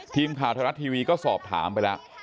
ทีมข่าวไทยรัฐทีวีก็สอบถามไปแล้ว